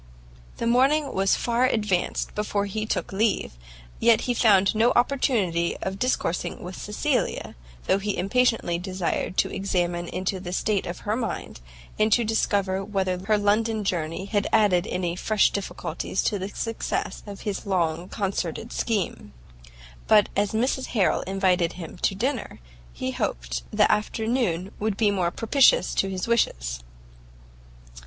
The morning was far advanced before he took leave, yet he found no opportunity of discoursing with Cecilia, though he impatiently desired to examine into the state of her mind, and to discover whether her London journey had added any fresh difficulties to the success of his long concerted scheme. But as Mrs Harrel invited him to dinner, he hoped the afternoon would be more propitious to his wishes.